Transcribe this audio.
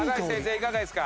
いかがですか？